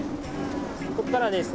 ここからはですね